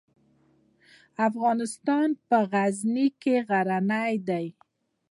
افغانستان په غزني غني دی.